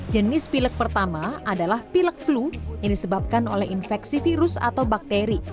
jenis pilek pertama adalah pilek flu yang disebabkan oleh infeksi virus atau bakteri